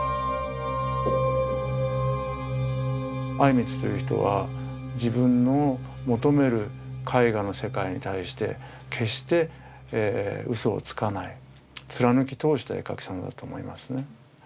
靉光という人は自分の求める絵画の世界に対して決してうそをつかない貫き通した絵描きさんだと思いますね。